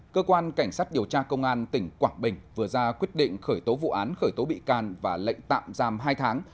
cơ quan cảnh sát điều tra công an tỉnh quảng bình vừa ra quyết định khởi tố vụ án khởi tố bị can và lệnh tạm giam hai tháng